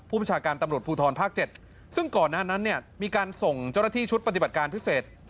ประชาการตำรวจภูทรภาค๗ซึ่งก่อนหน้านั้นเนี่ยมีการส่งเจ้าหน้าที่ชุดปฏิบัติการพิเศษ